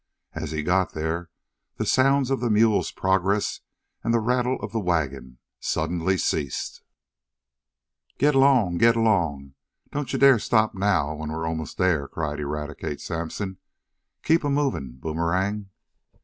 As he got there the sounds of the mule's progress, and the rattle of the wagon, suddenly ceased. "G'lang! G'lang! Don't yo' dare t' stop now, when we am most dere!" cried Eradicate Sampson. "Keep a movin', Boomerang!"